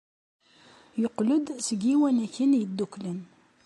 Yeqqel-d seg Yiwanaken Yeddukklen.